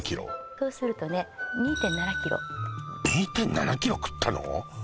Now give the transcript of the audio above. そうするとね２．７ｋｇ２．７ｋｇ食ったの！？